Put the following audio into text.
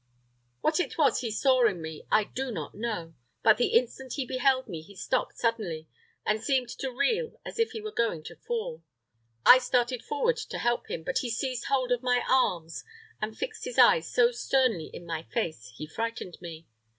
What it was he saw in me, I do not know; but the instant he beheld me he stopped suddenly, and seemed to reel as if he were going to fall. I started forward to help him; but he seized hold of my arms, and fixed his eyes so sternly in my face, he frightened me.